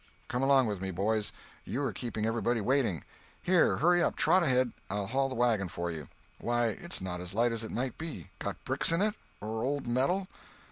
Come along with me, boys, you are keeping everybody waiting. Here—hurry up, trot ahead—I'll haul the wagon for you. Why, it's not as light as it might be. Got bricks in it?—or old metal?"